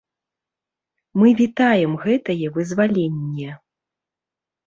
Мы вітаем гэтае вызваленне.